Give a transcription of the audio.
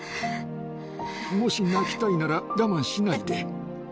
もし、泣きたいなら、我慢しないで。